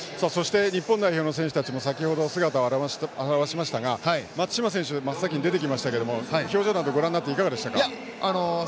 日本代表の選手たちも先ほど姿を現しましたが松島選手が真っ先に出てきましたが表情などご覧になっていかがでしたか？